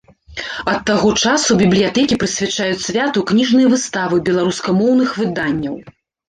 Ад таго часу бібліятэкі прысвячаюць святу кніжныя выставы беларускамоўных выданняў.